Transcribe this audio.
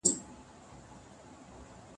څېړونکی کولای سي مختلف ميتودونه وکاروي.